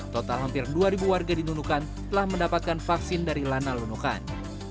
total hampir dua warga di nunukan telah mendapatkan vaksin dari lana nunukan